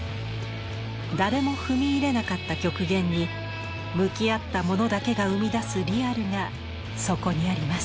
誰も踏み入れなかった極限に向き合った者だけが生み出すリアルがそこにあります。